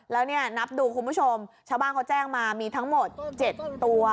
แล้วเนี่ยนับดูคุณผู้ชมชาวบ้านเขาแจ้งมามีทั้งหมด๗ตัว